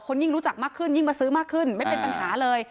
ยิ่งรู้จักมากขึ้นยิ่งมาซื้อมากขึ้นไม่เป็นปัญหาเลย